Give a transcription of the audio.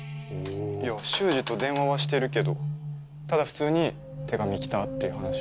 いや秀司と電話はしてるけどただ普通に「手紙来た？」っていう話を。